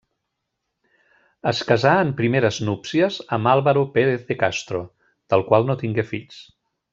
Es casà en primeres núpcies amb Álvaro Pérez de Castro, del qual no tingué fills.